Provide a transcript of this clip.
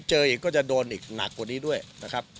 เจออีกก็จะโดนอีกหนักกว่านี้ด้วยนะครับ